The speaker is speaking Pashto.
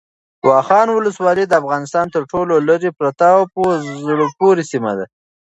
واخان ولسوالۍ د افغانستان تر ټولو لیرې پرته او په زړه پورې سیمه ده.